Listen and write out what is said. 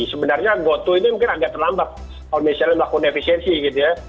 sebenarnya gotoh ini mungkin agak terlambat kalau misalnya melakukan efisiensi gitu ya